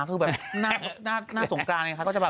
คือแบบหน้าสงกรานไงคะ